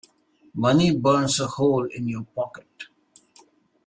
Money burns a hole in your pocket.